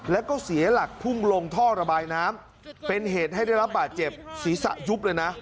แล้วก็เสียหลักพุ่งลงท่อระบายน้ำเป็นเหตุให้ได้รับบาดเจ็บศีรษะยุบเลยนะ